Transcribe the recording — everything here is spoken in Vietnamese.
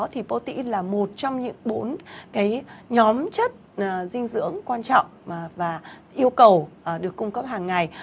thì poti là một trong những bốn cái nhóm chất dinh dưỡng quan trọng và yêu cầu được cung cấp hàng ngày